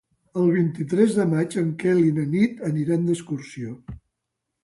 El vint-i-tres de maig en Quel i na Nit aniran d'excursió.